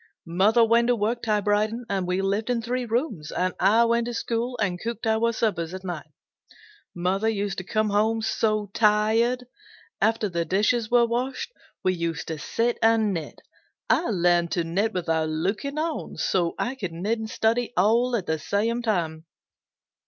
Mother went to work typewriting and we lived in three rooms, and I went to school and cooked our suppers at night. Mother used to come home so tired. After the dishes were washed, we used to sit and knit. I learned to knit without looking on, so I could knit and study all at the same time.